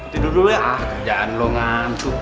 tidur dulu ya ah kerjaan lo ngantuk